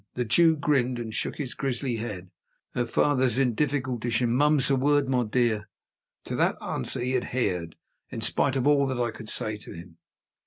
The Jew grinned, and shook his grisly head. "Her father'sh in difficultiesh, and mum's the word, my dear." To that answer he adhered, in spite of all that I could say to him.